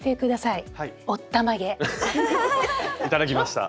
いただきました。